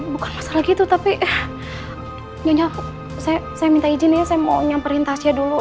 bukan masalah gitu tapi nyonya saya minta izin ya saya mau nyamperin tasya dulu